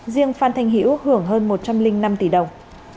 riêng phan thành hiếu hưởng hơn một trăm linh năm tỷ đồng